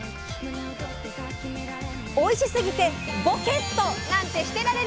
おいしすぎてぼけっとなんてしてられない！